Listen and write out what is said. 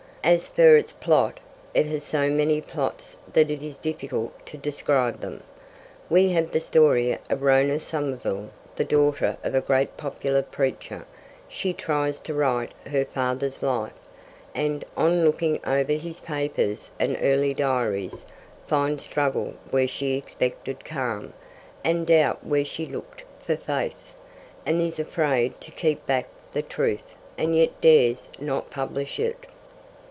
As for its plot, it has so many plots that it is difficult to describe them. We have the story of Rhona Somerville, the daughter of a great popular preacher, who tries to write her father's life, and, on looking over his papers and early diaries, finds struggle where she expected calm, and doubt where she looked for faith, and is afraid to keep back the truth, and yet dares not publish it.